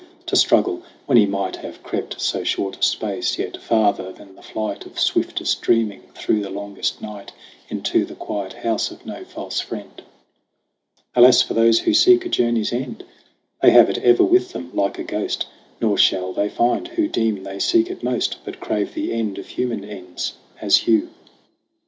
to struggle when he might have crept So short a space, yet farther than the flight Of swiftest dreaming through the longest night, Into the quiet house of no false friend. Alas for those who seek a journey's end They have it ever with them like a ghost : Nor shall they find, who deem they seek it most, But crave the end of human ends as Hugh.